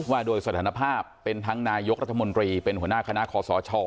ว่าโดยสถานภาพเป็นทั้งนายกรัฐมนตรีเป็นหัวหน้าคณะคอสช